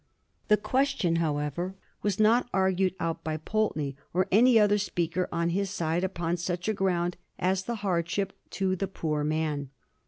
The question, however, was not argued out by Pulteney or any other speaker on his side upon such a ground as the hardship to the poor man.